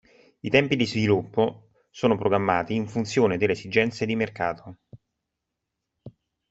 I tempi di sviluppo sono programmati in funzione delle esigenze di mercato.